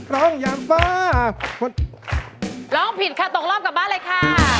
ร้องผิดค่ะตกรอบกลับบ้านเลยค่ะ